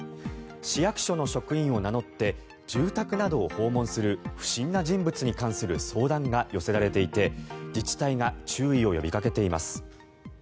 市役所の職員を名乗って住宅などを訪問する不審な人物に関する相談が寄せられていて自治体が注意を呼びかけています。